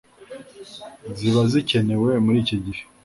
ziba zikenewe muri iki gihe